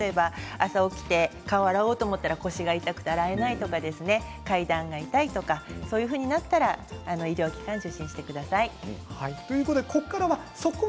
朝起きて顔を洗おうと思ったら腰が痛くて洗えないとかそうなったら医療機関を受診してください。